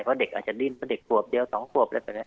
เพราะเด็กอาจจะดิ้นเพราะเด็กควบเดียว๒ควบแล้ว